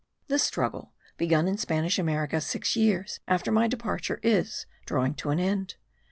This struggle, begun in Spanish America six years after my departure, is drawing gradually to an end.